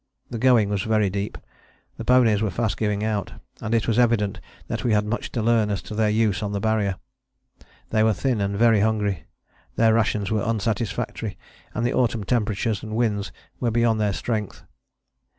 The going was very deep. The ponies were fast giving out, and it was evident that we had much to learn as to their use on the Barrier; they were thin and very hungry; their rations were unsatisfactory; and the autumn temperatures and winds were beyond their strength.